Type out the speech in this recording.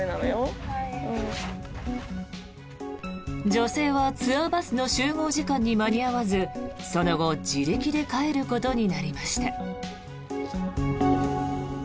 女性はツアーバスの集合時間に間に合わずその後、自力で帰ることになりました。